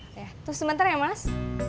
terus sebentar ya mas